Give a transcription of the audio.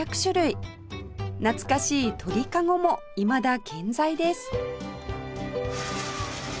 懐かしい鳥籠もいまだ健在です